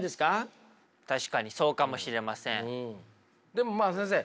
でもまあ先生。